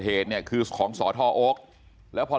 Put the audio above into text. ทำให้สัมภาษณ์อะไรต่างนานไปออกรายการเยอะแยะไปหมด